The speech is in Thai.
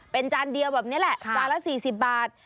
เป็นจานเดียวแบบนี้แหละจานละ๔๐บาท